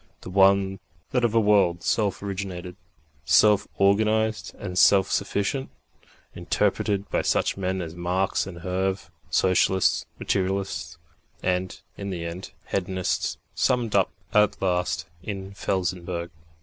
The one was that of a world self originated, self organised and self sufficient, interpreted by such men as Marx and Herve, socialists, materialists, and, in the end, hedonists, summed up at last in Felsenburgh.